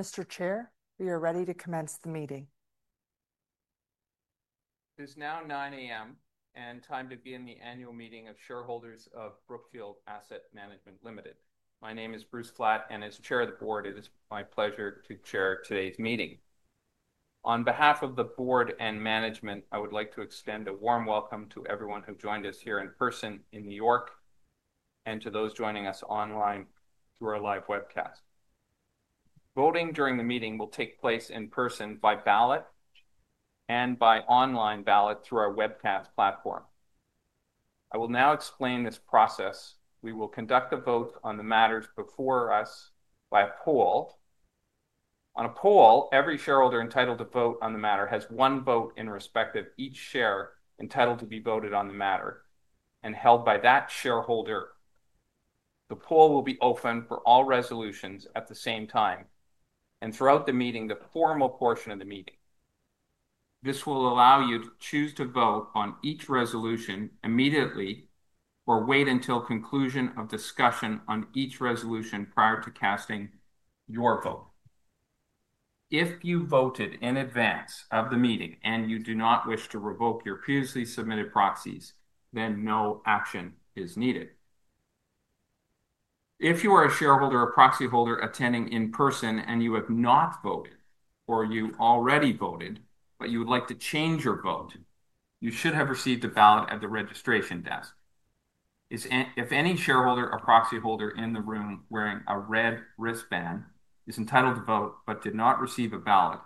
Mr. Chair, we are ready to commence the meeting. It is now 9:00 A.M., and time to begin the annual meeting of shareholders of Brookfield Asset Management Limited. My name is Bruce Flatt, and as Chair of the Board, it is my pleasure to chair today's meeting. On behalf of the Board and management, I would like to extend a warm welcome to everyone who joined us here in person in New York, and to those joining us online through our live webcast. Voting during the meeting will take place in person by ballot and by online ballot through our webcast platform. I will now explain this process. We will conduct a vote on the matters before us by a poll. On a poll, every shareholder entitled to vote on the matter has one vote in respect of each share entitled to be voted on the matter and held by that shareholder. The poll will be open for all resolutions at the same time, and throughout the meeting, the formal portion of the meeting. This will allow you to choose to vote on each resolution immediately or wait until conclusion of discussion on each resolution prior to casting your vote. If you voted in advance of the meeting and you do not wish to revoke your previously submitted proxies, then no action is needed. If you are a shareholder or proxy holder attending in person and you have not voted, or you already voted, but you would like to change your vote, you should have received a ballot at the registration desk. If any shareholder or proxy holder in the room wearing a red wristband is entitled to vote but did not receive a ballot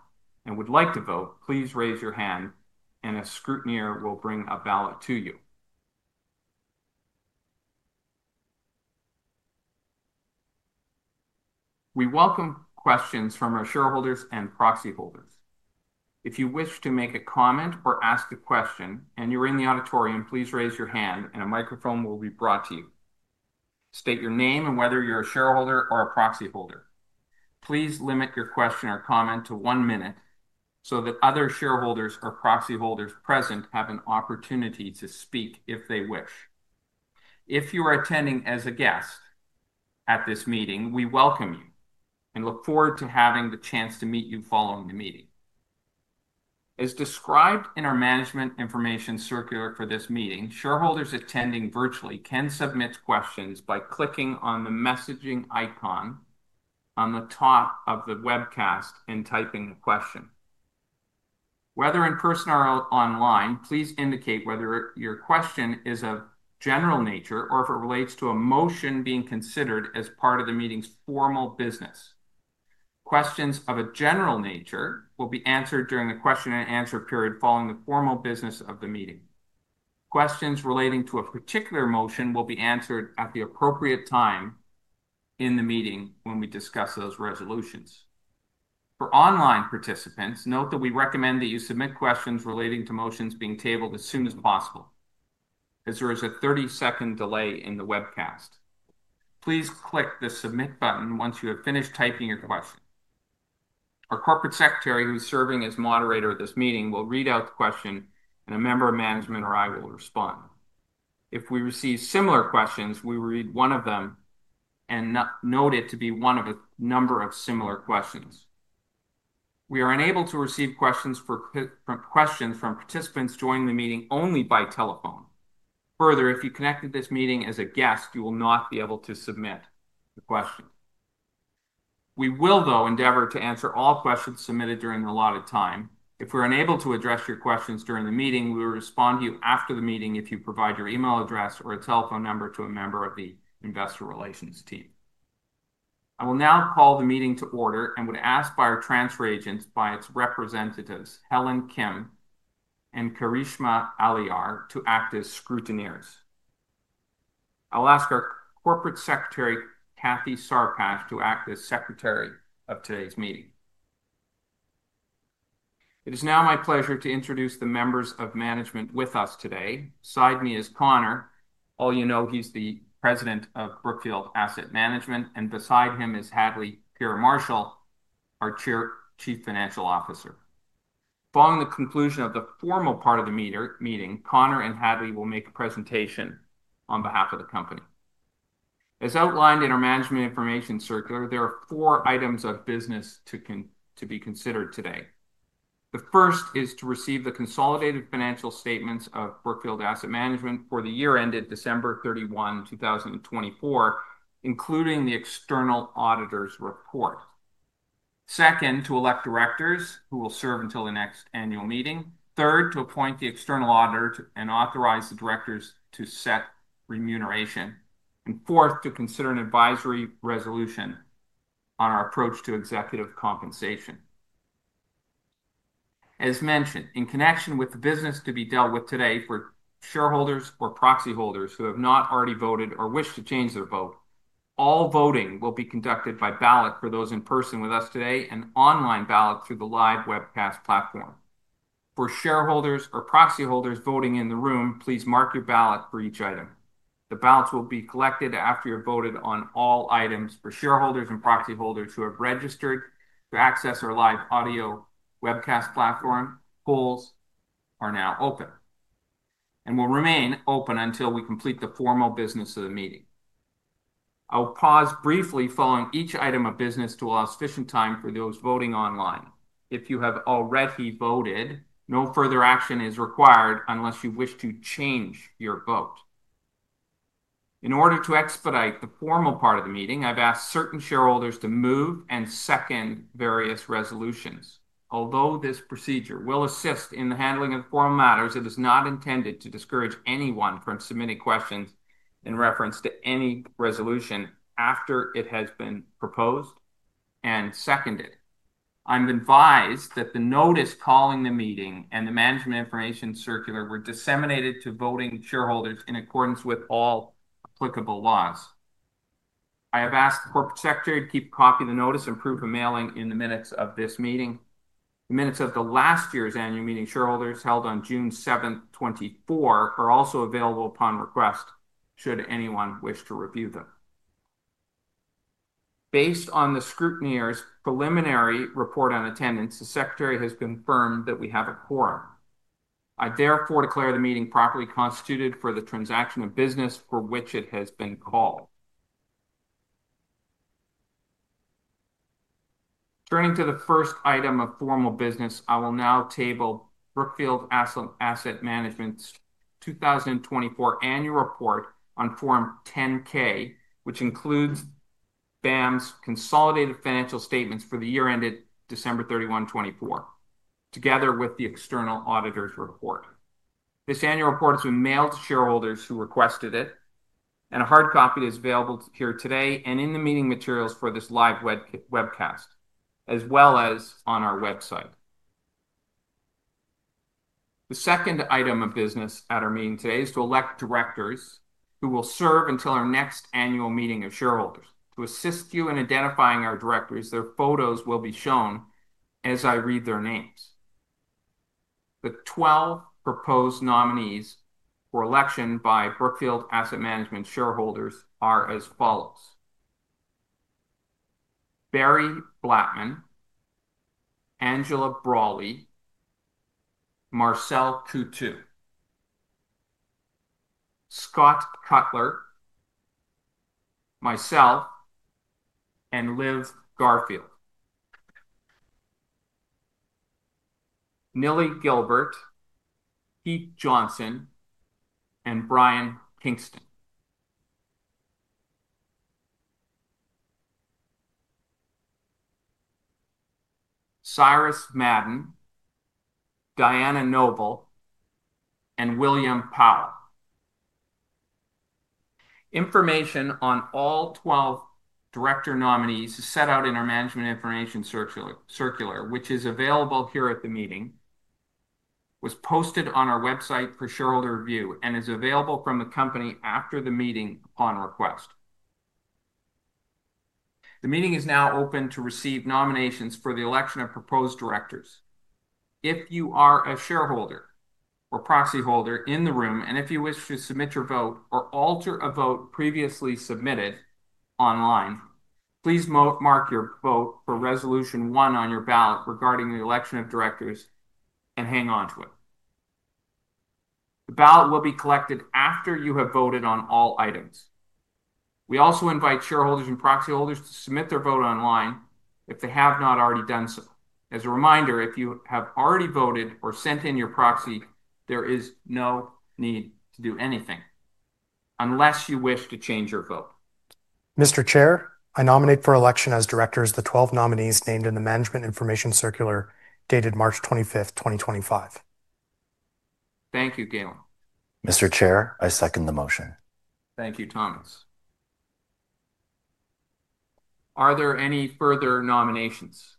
and would like to vote, please raise your hand, and a scrutineer will bring a ballot to you. We welcome questions from our shareholders and proxy holders. If you wish to make a comment or ask a question and you're in the auditorium, please raise your hand, and a microphone will be brought to you. State your name and whether you're a shareholder or a proxy holder. Please limit your question or comment to one minute so that other shareholders or proxy holders present have an opportunity to speak if they wish. If you are attending as a guest at this meeting, we welcome you and look forward to having the chance to meet you following the meeting. As described in our Management Information Circular for this meeting, shareholders attending virtually can submit questions by clicking on the messaging icon on the top of the webcast and typing a question. Whether in person or online, please indicate whether your question is of general nature or if it relates to a motion being considered as part of the meeting's formal business. Questions of a general nature will be answered during the question and answer period following the formal business of the meeting. Questions relating to a particular motion will be answered at the appropriate time in the meeting when we discuss those resolutions. For online participants, note that we recommend that you submit questions relating to motions being tabled as soon as possible, as there is a 30-second delay in the webcast. Please click the submit button once you have finished typing your question. Our Corporate Secretary, who's serving as moderator of this meeting, will read out the question, and a member of management or I will respond. If we receive similar questions, we will read one of them and note it to be one of a number of similar questions. We are unable to receive questions from participants joining the meeting only by telephone. Further, if you connected to this meeting as a guest, you will not be able to submit a question. We will, though, endeavor to answer all questions submitted during the allotted time. If we're unable to address your questions during the meeting, we will respond to you after the meeting if you provide your email address or a telephone number to a member of the Investor Relations Team. I will now call the meeting to order and would ask our transfer agents, by its representatives Helen Kim and Karishma Aliar, to act as scrutineers. I'll ask our Corporate Secretary, Kathy Sarpash, to act as secretary of today's meeting. It is now my pleasure to introduce the members of management with us today. Beside me is Connor. All you know, he's the President of Brookfield Asset Management, and beside him is Hadley Peer Marshall, our Chief Financial Officer. Following the conclusion of the formal part of the meeting, Connor and Hadley will make a presentation on behalf of the company. As outlined in our Management Information Circular, there are four items of business to be considered today. The first is to receive the consolidated financial statements of Brookfield Asset Management for the year ended December 31, 2024, including the external auditor's report. Second, to elect directors who will serve until the next annual meeting. Third, to appoint the external auditor and authorize the directors to set remuneration. Fourth, to consider an advisory resolution on our approach to executive compensation. As mentioned, in connection with the business to be dealt with today for shareholders or proxy holders who have not already voted or wish to change their vote, all voting will be conducted by ballot for those in person with us today and online ballot through the live webcast platform. For shareholders or proxy holders voting in the room, please mark your ballot for each item. The ballots will be collected after you've voted on all items. For shareholders and proxy holders who have registered to access our live audio webcast platform, polls are now open and will remain open until we complete the formal business of the meeting. I'll pause briefly following each item of business to allow sufficient time for those voting online. If you have already voted, no further action is required unless you wish to change your vote. In order to expedite the formal part of the meeting, I've asked certain shareholders to move and second various resolutions. Although this procedure will assist in the handling of formal matters, it is not intended to discourage anyone from submitting questions in reference to any resolution after it has been proposed and seconded. I'm advised that the notice calling the meeting and the Management Information Circular were disseminated to Voting Shareholders in accordance with all applicable laws. I have asked the Corporate Secretary to keep a copy of the notice and proof of mailing in the minutes of this meeting. The minutes of the last year's annual meeting of shareholders held on June 7, 2024, are also available upon request should anyone wish to review them. Based on the scrutineer's preliminary report on attendance, the Secretary has confirmed that we have a quorum. I therefore declare the meeting properly constituted for the transaction of business for which it has been called. Turning to the first item of formal business, I will now table Brookfield Asset Management's 2024 annual report on Form 10-K, which includes BAM's consolidated financial statements for the year ended December 31, 2024, together with the external auditor's report. This annual report has been mailed to shareholders who requested it, and a hard copy is available here today and in the meeting materials for this live webcast, as well as on our website. The second item of business at our meeting today is to elect directors who will serve until our next annual meeting of shareholders. To assist you in identifying our directors, their photos will be shown as I read their names. The 12 proposed nominees for election by Brookfield Asset Management shareholders are as follows: Barry Blattman, Angela Braly, Marcel Coutu, Scott Cutler, myself, Liv Garfield, Neil Gilbert, Pete Johnson, Brian Kingston, Cyrus Madon, Diana Noble, and William Powell. Information on all 12 director nominees is set out in our Management Information Circular, which is available here at the meeting, was posted on our website for shareholder review, and is available from the company after the meeting upon request. The meeting is now open to receive nominations for the election of proposed directors. If you are a shareholder or proxy holder in the room, and if you wish to submit your vote or alter a vote previously submitted online, please mark your vote for resolution one on your ballot regarding the election of directors and hang on to it. The ballot will be collected after you have voted on all items. We also invite shareholders and proxy holders to submit their vote online if they have not already done so. As a reminder, if you have already voted or sent in your proxy, there is no need to do anything unless you wish to change your vote. Mr. Chair, I nominate for election as directors the 12 nominees named in the Management Information Circular dated March 25, 2025. Thank you, Galen. Mr. Chair, I second the motion. Thank you, Thomas. Are there any further nominations?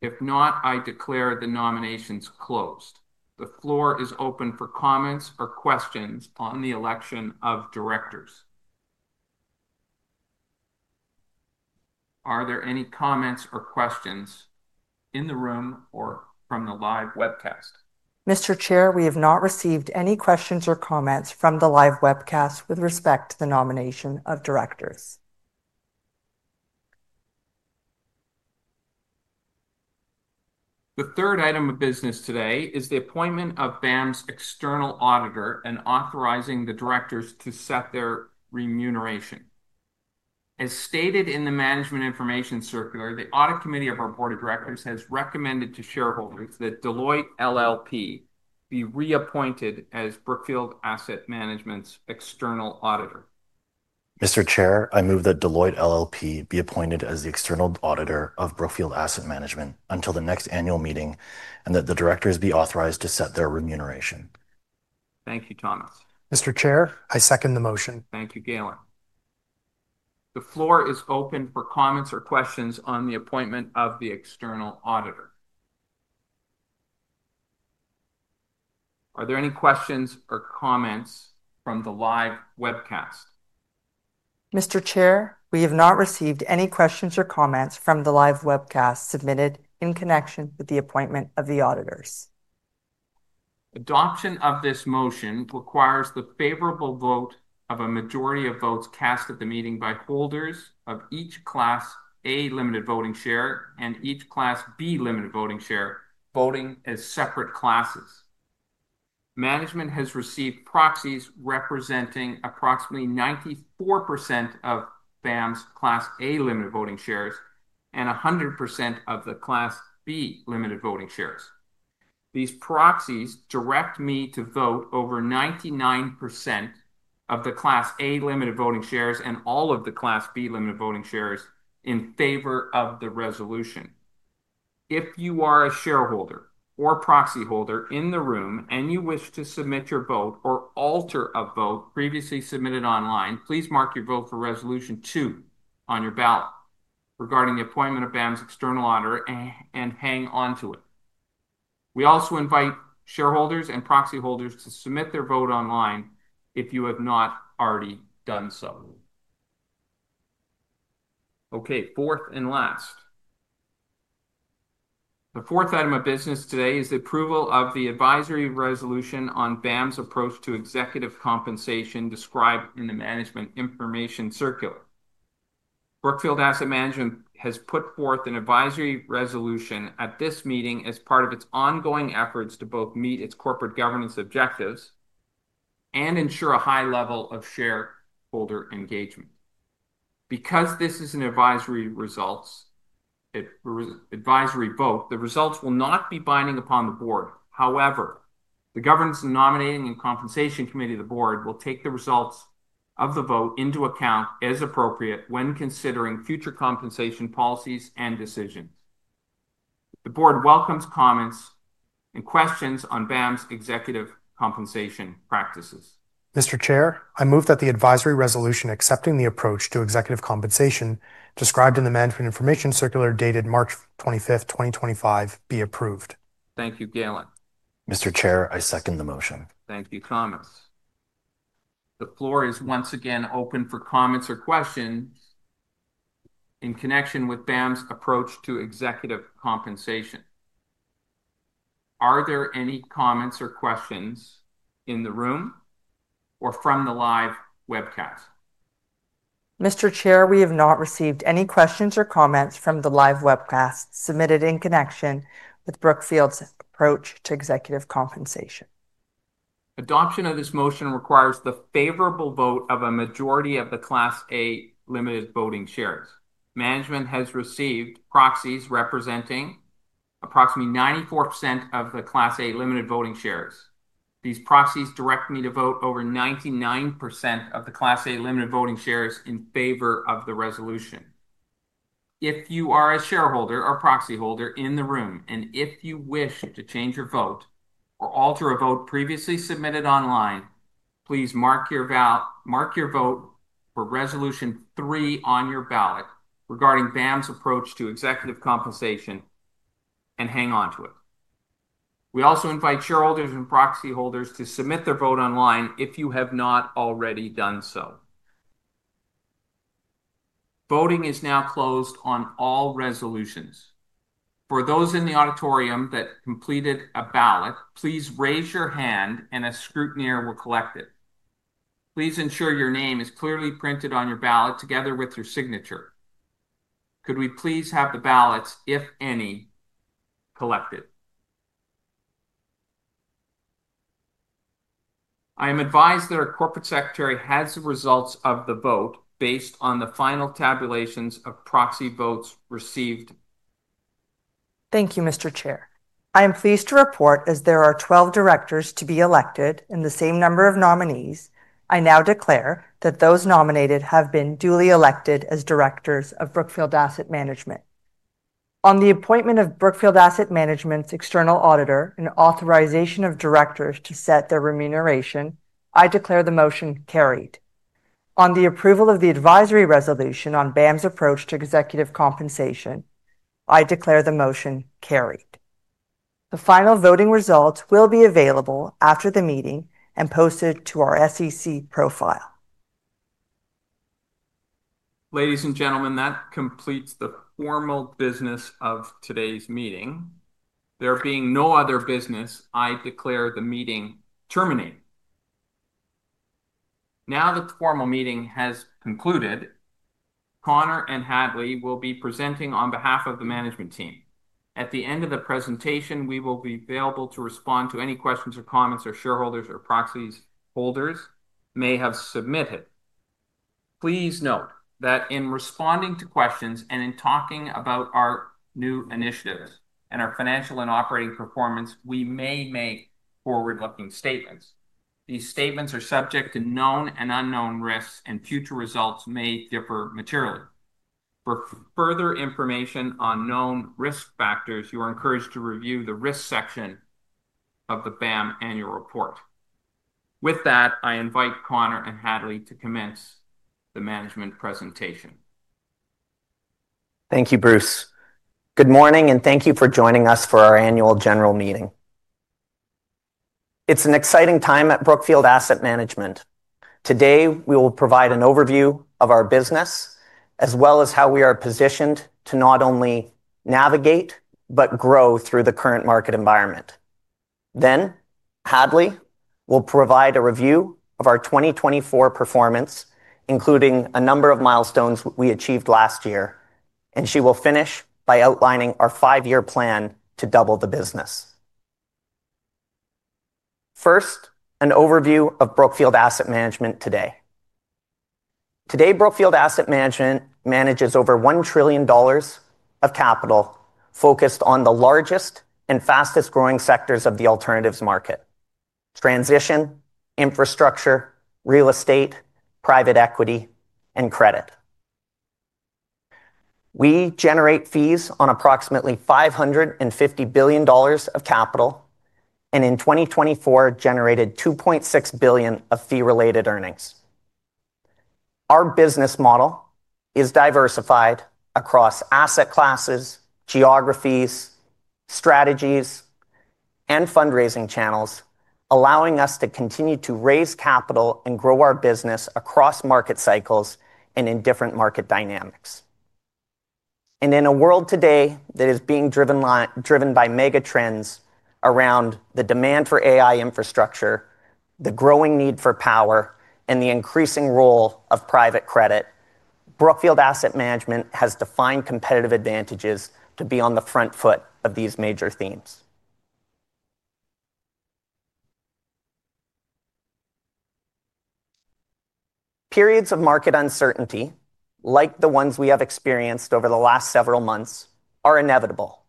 If not, I declare the nominations closed. The floor is open for comments or questions on the election of directors. Are there any comments or questions in the room or from the live webcast? Mr. Chair, we have not received any questions or comments from the live webcast with respect to the nomination of directors. The third item of business today is the appointment of BAM's external auditor and authorizing the directors to set their remuneration. As stated in the Management Information Circular, the Audit Committee of our Board of Directors has recommended to shareholders that Deloitte LLP be reappointed as Brookfield Asset Management's external auditor. Mr. Chair, I move that Deloitte LLP be appointed as the external auditor of Brookfield Asset Management until the next annual meeting and that the directors be authorized to set their remuneration. Thank you, Thomas. Mr. Chair, I second the motion. Thank you, Galen. The floor is open for comments or questions on the appointment of the external auditor. Are there any questions or comments from the live webcast? Mr. Chair, we have not received any questions or comments from the live webcast submitted in connection with the appointment of the auditors. Adoption of this motion requires the favorable vote of a majority of votes cast at the meeting by holders of each Class A Limited Voting Share and each Class B Limited Voting Share, voting as separate classes. Management has received proxies representing approximately 94% of BAM's Class A Limited Voting Shares and 100% of the Class B Limited Voting Shares. These proxies direct me to vote over 99% of the Class A Limited Voting Shares and all of the Class B Limited Voting Shares in favor of the resolution. If you are a shareholder or proxy holder in the room and you wish to submit your vote or alter a vote previously submitted online, please mark your vote for resolution two on your ballot regarding the appointment of BAM's external auditor and hang on to it. We also invite shareholders and proxy holders to submit their vote online if you have not already done so. Okay, fourth and last. The fourth item of business today is the approval of the advisory resolution on BAM's approach to executive compensation described in the Management Information Circular. Brookfield Asset Management has put forth an advisory resolution at this meeting as part of its ongoing efforts to both meet its corporate governance objectives and ensure a high level of shareholder engagement. Because this is an advisory vote, the results will not be binding upon the board. However, the Governance, Nominating and Compensation Committee of the board will take the results of the vote into account as appropriate when considering future compensation policies and decisions. The board welcomes comments and questions on BAM's executive compensation practices. Mr. Chair, I move that the advisory resolution accepting the approach to executive compensation described in the Management Information Circular dated March 25, 2025, be approved. Thank you, Galen. Mr. Chair, I second the motion. Thank you, Thomas. The floor is once again open for comments or questions in connection with BAM's approach to executive compensation. Are there any comments or questions in the room or from the live webcast? Mr. Chair, we have not received any questions or comments from the live webcast submitted in connection with Brookfield's approach to executive compensation. Adoption of this motion requires the favorable vote of a majority of the Class A Limited Voting Shares. Management has received proxies representing approximately 94% of the Class A Limited Voting Shares. These proxies direct me to vote over 99% of the Class A Limited Voting Shares in favor of the resolution. If you are a shareholder or proxy holder in the room and if you wish to change your vote or alter a vote previously submitted online, please mark your vote for resolution three on your ballot regarding BAM's approach to executive compensation and hang on to it. We also invite shareholders and proxy holders to submit their vote online if you have not already done so. Voting is now closed on all resolutions. For those in the auditorium that completed a ballot, please raise your hand and a scrutineer will collect it. Please ensure your name is clearly printed on your ballot together with your signature. Could we please have the ballots, if any, collected? I am advised that our Corporate Secretary has the results of the vote based on the final tabulations of proxy votes received. Thank you, Mr. Chair. I am pleased to report as there are 12 directors to be elected and the same number of nominees, I now declare that those nominated have been duly elected as directors of Brookfield Asset Management. On the appointment of Brookfield Asset Management's external auditor and authorization of directors to set their remuneration, I declare the motion carried. On the approval of the advisory resolution on BAM's approach to executive compensation, I declare the motion carried. The final voting results will be available after the meeting and posted to our SEC profile. Ladies and gentlemen, that completes the formal business of today's meeting. There being no other business, I declare the meeting terminated. Now that the formal meeting has concluded, Connor and Hadley will be presenting on behalf of the management team. At the end of the presentation, we will be available to respond to any questions or comments our shareholders or proxy holders may have submitted. Please note that in responding to questions and in talking about our new initiatives and our financial and operating performance, we may make forward-looking statements. These statements are subject to known and unknown risks, and future results may differ materially. For further information on known risk factors, you are encouraged to review the risk section of the BAM annual report. With that, I invite Connor and Hadley to commence the management presentation. Thank you, Bruce. Good morning, and thank you for joining us for our annual general meeting. It is an exciting time at Brookfield Asset Management. Today, we will provide an overview of our business as well as how we are positioned to not only navigate but grow through the current market environment. Hadley will provide a review of our 2024 performance, including a number of milestones we achieved last year, and she will finish by outlining our five-year plan to double the business. First, an overview of Brookfield Asset Management today. Today, Brookfield Asset Management manages over $1 trillion of capital focused on the largest and fastest-growing sectors of the alternatives market: transition, infrastructure, real estate, private equity, and credit. We generate fees on approximately $550 billion of capital and in 2024 generated $2.6 billion of fee-related earnings. Our business model is diversified across asset classes, geographies, strategies, and fundraising channels, allowing us to continue to raise capital and grow our business across market cycles and in different market dynamics. In a world today that is being driven by mega trends around the demand for AI infrastructure, the growing need for power, and the increasing role of private credit, Brookfield Asset Management has defined competitive advantages to be on the front foot of these major themes. Periods of market uncertainty, like the ones we have experienced over the last several months, are inevitable.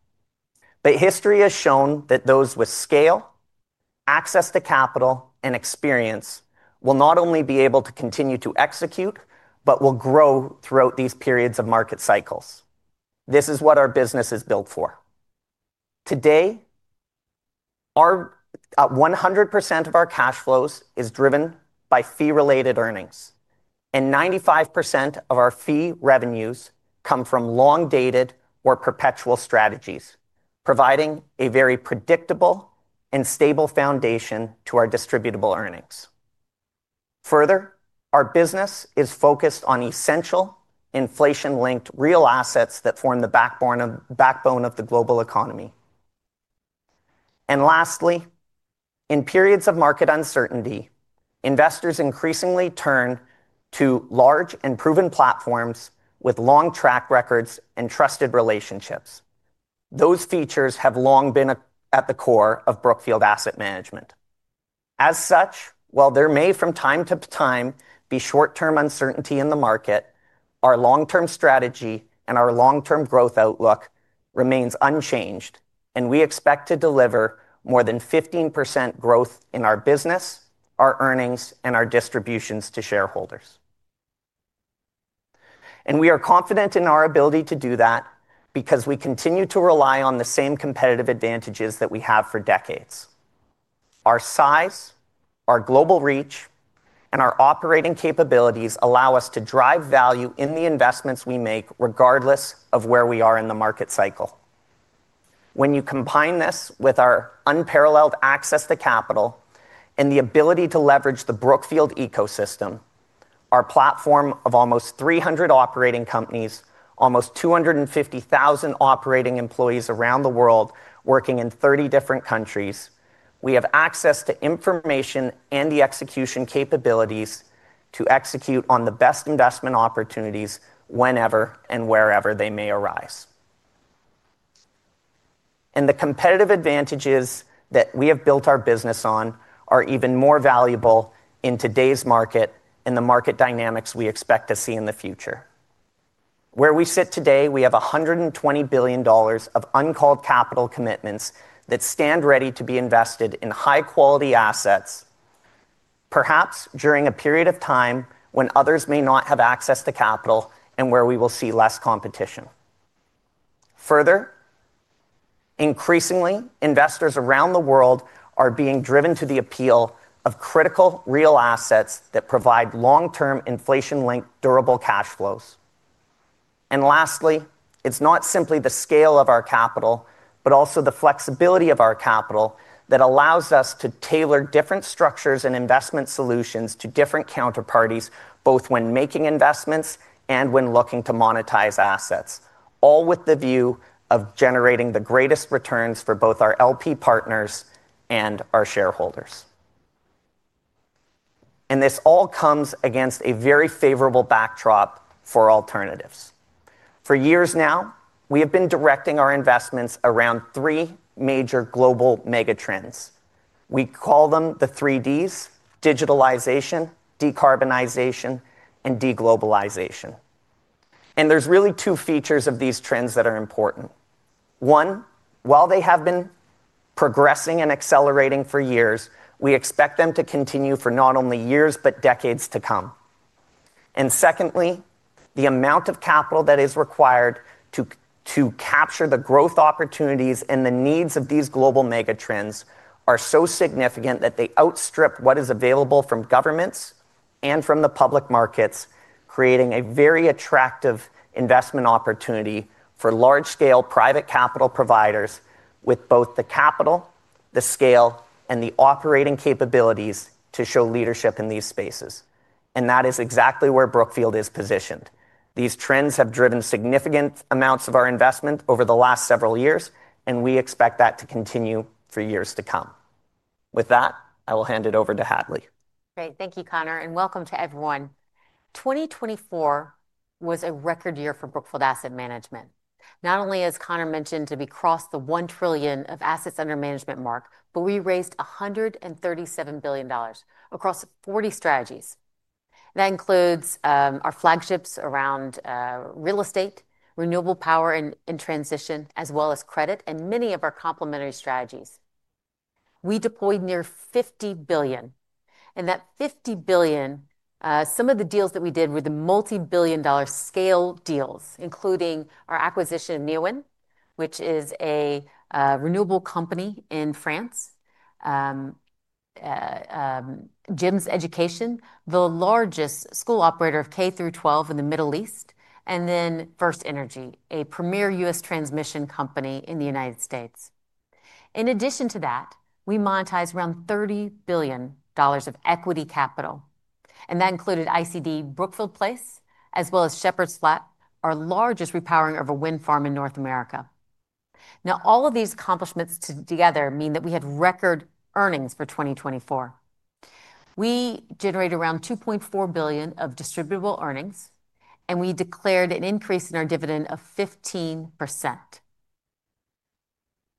History has shown that those with scale, access to capital, and experience will not only be able to continue to execute but will grow throughout these periods of market cycles. This is what our business is built for. Today, 100% of our cash flows is driven by fee-related earnings, and 95% of our fee revenues come from long-dated or perpetual strategies, providing a very predictable and stable foundation to our distributable earnings. Further, our business is focused on essential inflation-linked real assets that form the backbone of the global economy. Lastly, in periods of market uncertainty, investors increasingly turn to large and proven platforms with long track records and trusted relationships. Those features have long been at the core of Brookfield Asset Management. As such, while there may from time to time be short-term uncertainty in the market, our long-term strategy and our long-term growth outlook remains unchanged, and we expect to deliver more than 15% growth in our business, our earnings, and our distributions to shareholders. We are confident in our ability to do that because we continue to rely on the same competitive advantages that we have for decades. Our size, our global reach, and our operating capabilities allow us to drive value in the investments we make regardless of where we are in the market cycle. When you combine this with our unparalleled access to capital and the ability to leverage the Brookfield ecosystem, our platform of almost 300 operating companies, almost 250,000 operating employees around the world working in 30 different countries, we have access to information and the execution capabilities to execute on the best investment opportunities whenever and wherever they may arise. The competitive advantages that we have built our business on are even more valuable in today's market and the market dynamics we expect to see in the future. Where we sit today, we have $120 billion of uncalled capital commitments that stand ready to be invested in high-quality assets, perhaps during a period of time when others may not have access to capital and where we will see less competition. Further, increasingly, investors around the world are being driven to the appeal of critical real assets that provide long-term inflation-linked durable cash flows. Lastly, it is not simply the scale of our capital, but also the flexibility of our capital that allows us to tailor different structures and investment solutions to different counterparties, both when making investments and when looking to monetize assets, all with the view of generating the greatest returns for both our LP partners and our shareholders. This all comes against a very favorable backdrop for alternatives. For years now, we have been directing our investments around three major global mega trends. We call them the three Ds: digitalization, decarbonization, and deglobalization. There are really two features of these trends that are important. One, while they have been progressing and accelerating for years, we expect them to continue for not only years, but decades to come. Secondly, the amount of capital that is required to capture the growth opportunities and the needs of these global mega trends are so significant that they outstrip what is available from governments and from the public markets, creating a very attractive investment opportunity for large-scale private capital providers with both the capital, the scale, and the operating capabilities to show leadership in these spaces. That is exactly where Brookfield is positioned. These trends have driven significant amounts of our investment over the last several years, and we expect that to continue for years to come. With that, I will hand it over to Hadley. Great. Thank you, Connor, and welcome to everyone. 2024 was a record year for Brookfield Asset Management. Not only, as Connor mentioned, did we cross the $1 trillion of assets under management mark, but we raised $137 billion across 40 strategies. That includes our flagships around real estate, renewable power and transition, as well as credit and many of our complementary strategies. We deployed near $50 billion. That $50 billion, some of the deals that we did were the multi-billion dollar scale deals, including our acquisition of Neoen, which is a renewable company in France, GEMS Education, the largest school operator of K through 12 in the Middle East, and FirstEnergy, a premier U.S. transmission company in the United States. In addition to that, we monetized around $30 billion of equity capital. That included ICD Brookfield Place, as well as Shepherds Flat, our largest repowering of a wind farm in North America. All of these accomplishments together mean that we had record earnings for 2024. We generated around $2.4 billion of distributable earnings, and we declared an increase in our dividend of 15%.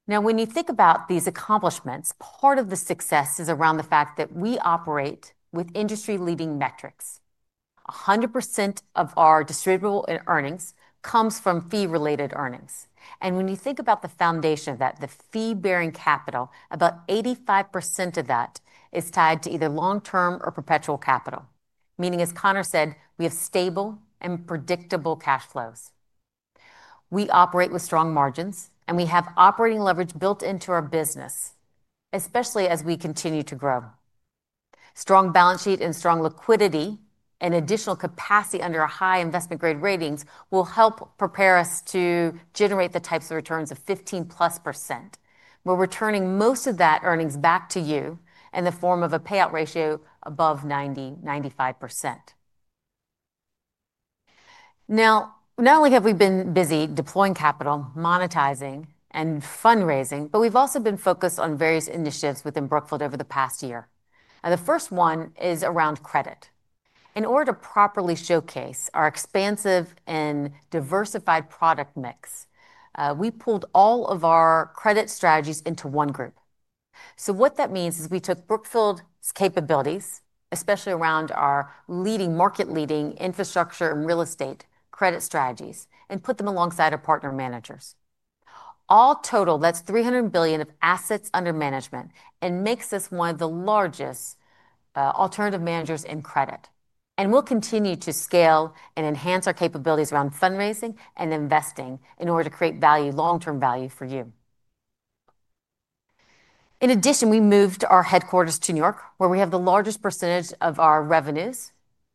When you think about these accomplishments, part of the success is around the fact that we operate with industry-leading metrics. 100% of our distributable earnings comes from fee-related earnings. When you think about the foundation of that, the fee-bearing capital, about 85% of that is tied to either long-term or perpetual capital, meaning, as Connor said, we have stable and predictable cash flows. We operate with strong margins, and we have operating leverage built into our business, especially as we continue to grow. Strong balance sheet and strong liquidity and additional capacity under high investment-grade ratings will help prepare us to generate the types of returns of 15-plus percent. We're returning most of that earnings back to you in the form of a payout ratio above 90-95%. Now, not only have we been busy deploying capital, monetizing, and fundraising, but we've also been focused on various initiatives within Brookfield over the past year. The first one is around credit. In order to properly showcase our expansive and diversified product mix, we pulled all of our credit strategies into one group. What that means is we took Brookfield's capabilities, especially around our leading market-leading infrastructure and real estate credit strategies, and put them alongside our partner managers. All total, that's $300 billion of assets under management and makes us one of the largest alternative managers in credit. We will continue to scale and enhance our capabilities around fundraising and investing in order to create value, long-term value for you. In addition, we moved our headquarters to New York, where we have the largest percentage of our revenues,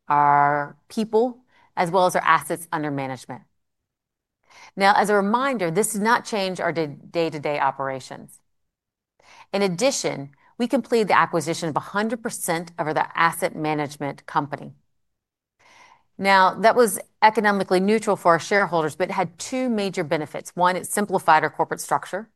our people, as well as our assets under management. As a reminder, this does not change our day-to-day operations. In addition, we completed the acquisition of 100% of our asset management company. That was economically neutral for our shareholders, but it had two major benefits. One, it simplified our corporate structure.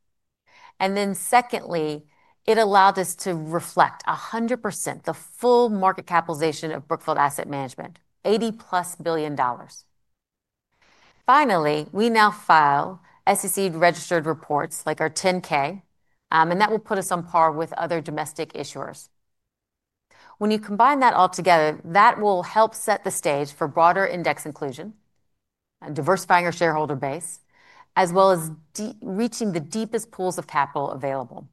Secondly, it allowed us to reflect 100%, the full market capitalization of Brookfield Asset Management, $80-plus billion. Finally, we now file SEC-registered reports like our 10-K, and that will put us on par with other domestic issuers. When you combine that all together, that will help set the stage for broader index inclusion and diversifying our shareholder base, as well as reaching the deepest pools of capital available.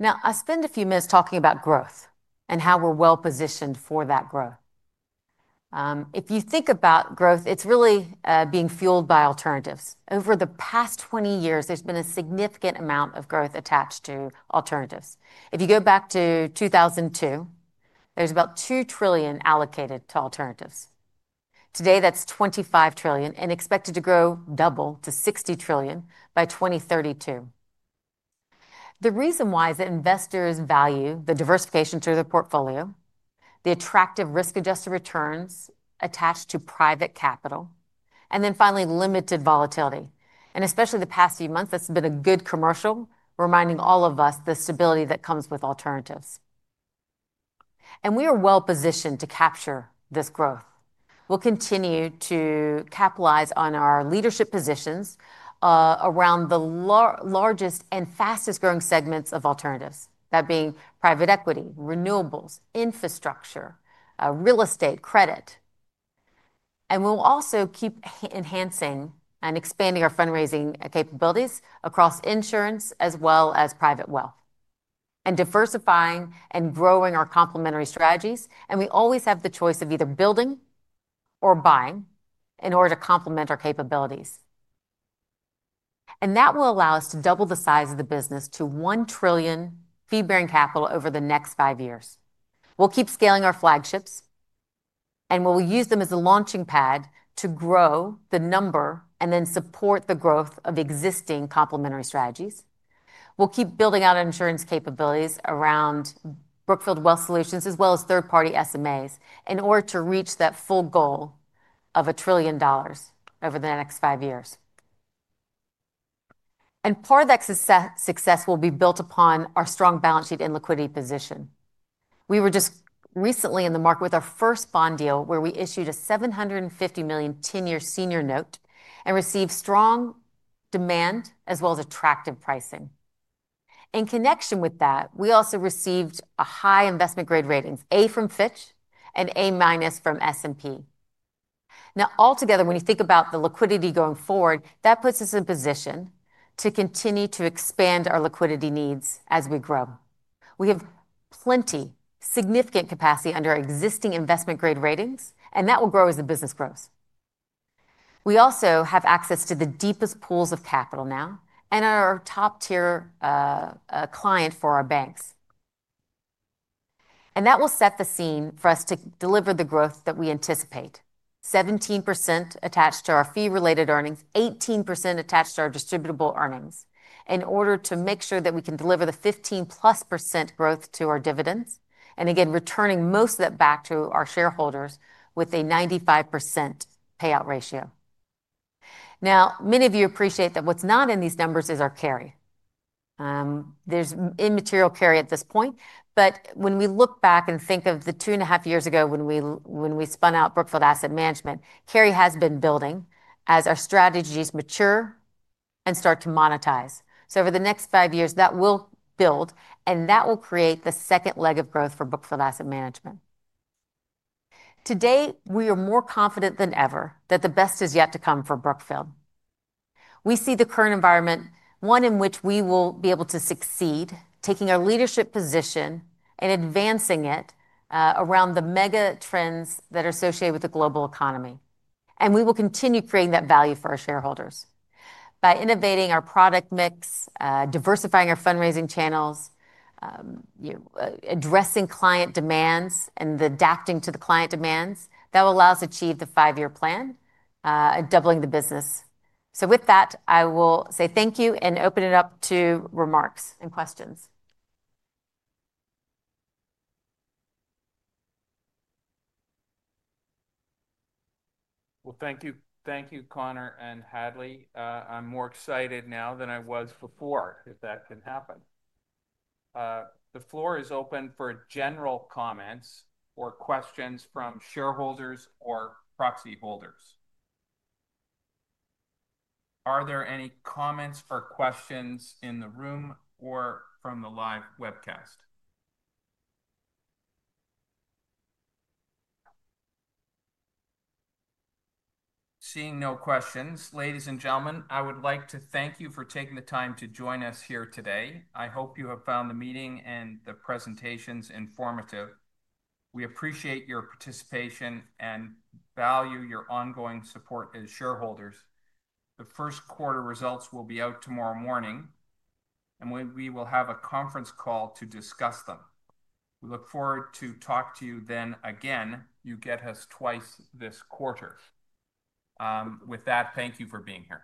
Now, I'll spend a few minutes talking about growth and how we're well-positioned for that growth. If you think about growth, it's really being fueled by alternatives. Over the past 20 years, there's been a significant amount of growth attached to alternatives. If you go back to 2002, there's about $2 trillion allocated to alternatives. Today, that's $25 trillion and expected to grow double to $60 trillion by 2032. The reason why is that investors value the diversification through their portfolio, the attractive risk-adjusted returns attached to private capital, and then finally, limited volatility. Especially the past few months, that's been a good commercial reminding all of us of the stability that comes with alternatives. We are well-positioned to capture this growth. We will continue to capitalize on our leadership positions around the largest and fastest-growing segments of alternatives, that being private equity, renewables, infrastructure, real estate, credit. We will also keep enhancing and expanding our fundraising capabilities across insurance as well as private wealth and diversifying and growing our complementary strategies. We always have the choice of either building or buying in order to complement our capabilities. That will allow us to double the size of the business to $1 trillion fee-bearing capital over the next five years. We will keep scaling our flagships, and we will use them as a launching pad to grow the number and then support the growth of existing complementary strategies. We'll keep building out insurance capabilities around Brookfield Wealth Solutions, as well as third-party SMAs, in order to reach that full goal of $1 trillion over the next five years. Part of that success will be built upon our strong balance sheet and liquidity position. We were just recently in the market with our first bond deal, where we issued a $750 million 10-year senior note and received strong demand as well as attractive pricing. In connection with that, we also received high investment-grade ratings, A from Fitch and A- from S&P. Now, altogether, when you think about the liquidity going forward, that puts us in a position to continue to expand our liquidity needs as we grow. We have plenty of significant capacity under existing investment-grade ratings, and that will grow as the business grows. We also have access to the deepest pools of capital now and are our top-tier client for our banks. That will set the scene for us to deliver the growth that we anticipate: 17% attached to our fee-related earnings, 18% attached to our distributable earnings, in order to make sure that we can deliver the 15-plus % growth to our dividends, and again, returning most of that back to our shareholders with a 95% payout ratio. Now, many of you appreciate that what's not in these numbers is our carry. There is immaterial carry at this point. When we look back and think of the two and a half years ago when we spun out Brookfield Asset Management, carry has been building as our strategies mature and start to monetize. Over the next five years, that will build, and that will create the second leg of growth for Brookfield Asset Management. Today, we are more confident than ever that the best is yet to come for Brookfield. We see the current environment, one in which we will be able to succeed, taking our leadership position and advancing it around the mega trends that are associated with the global economy. We will continue creating that value for our shareholders by innovating our product mix, diversifying our fundraising channels, addressing client demands, and adapting to the client demands. That will allow us to achieve the five-year plan and doubling the business. With that, I will say thank you and open it up to remarks and questions. Thank you. Thank you, Connor and Hadley. I'm more excited now than I was before, if that can happen. The floor is open for general comments or questions from shareholders or proxy holders. Are there any comments or questions in the room or from the live webcast? Seeing no questions, ladies and gentlemen, I would like to thank you for taking the time to join us here today. I hope you have found the meeting and the presentations informative. We appreciate your participation and value your ongoing support as shareholders. The first quarter results will be out tomorrow morning, and we will have a conference call to discuss them. We look forward to talking to you then again. You get us twice this quarter. With that, thank you for being here.